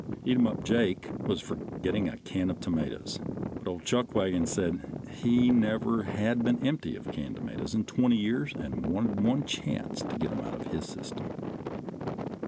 Eatumup Jake was for getting a can of tomatoes, but old Chuckwagon said he never had been empty of canned tomatoes in twenty years and wanted one chance to get them out his system.